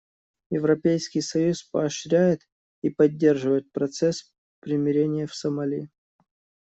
Европейский союз поощряет и поддерживает процесс примирения в Сомали.